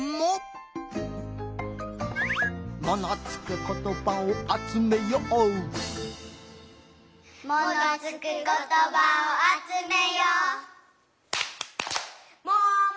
「『も』のつくことばをあつめよう」「『も』のつくことばをあつめよう」「もも」。